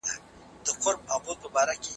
زه له سهاره د کتابتون کتابونه لوستل کوم!